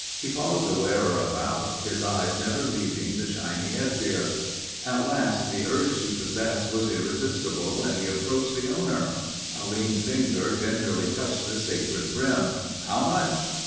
He followed the wearer about, his eyes never leaving the shiny headgear. At last the urge to possess was irresistible and he approached the owner. A lean finger gingerly touched the sacred brim. "How much?"